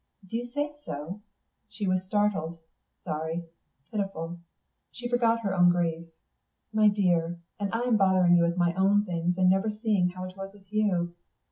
"Do you say so?" She was startled, sorry, pitiful. She forgot her own grief. "My dear and I bothering you with my own things and never seeing how it was with you!